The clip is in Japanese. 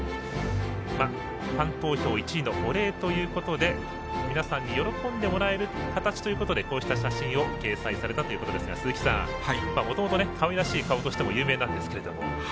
ファン投票１位のお礼ということで皆さんに喜んでもらえる形ということでこうした写真を掲載されたということですが鈴木さん、もともとかわいらしい顔としても有名なんですけれども。